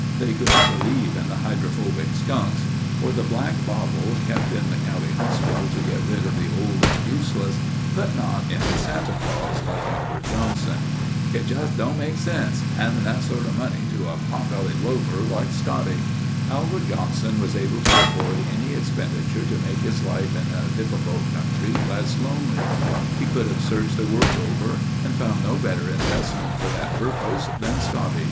They could believe in the hydrophobic skunks or the Black Bottle kept in the county hospital to get rid of the old and useless, but not in a Santa Claus like Albert Johnson. "It just don't make sense—handing that sort of money to a potbellied loafer like Scotty...." Albert Johnson was able to afford any expenditure to make his life in a difficult country less lonely. He could have searched the world over and found no better investment for that purpose than Scotty.